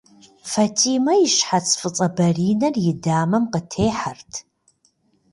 Фатимэ и щхьэц фӏыцӏэ бэринэр и дамэм къытехьэрт.